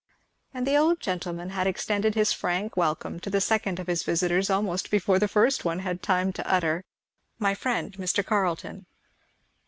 And the old gentleman had extended his frank welcome to the second of his visitors almost before the first had time to utter, "My friend Mr. Carleton."